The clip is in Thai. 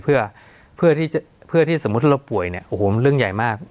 เพื่อที่สมมุติเราป่วยเนี่ยโอ้โหเรื่องใหญ่มาก